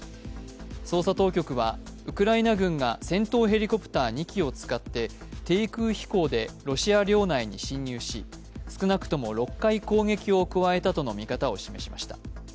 捜査当局はウクライナ軍が戦闘ヘリコプター２機を使って低空飛行でロシア領内に侵入し少なくどせ６回攻撃を加えたとの見方を示しました。